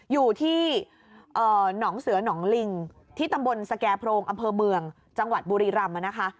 อยู่ที่หนองเสือหนองลิงที่ตำบลสแก่โพรงอำเภอเมืองจังหวัดบุรีรำนะคะ